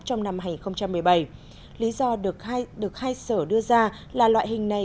trong năm hai nghìn một mươi bảy lý do được hai sở đưa ra là loại hình này